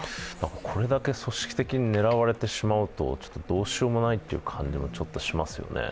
これだけ組織的に狙われてしまうとどうしようもないという感じもちょっとしますよね。